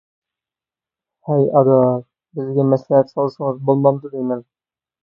ھەي ئاداش، بىزگە مەسلىھەت سالسىڭىز بولمامدۇ دەيمەن.